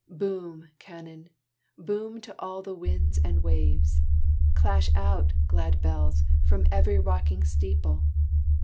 Boom, cannon, boom to all the winds and waves! Clash out, glad bells, from every rocking steeple!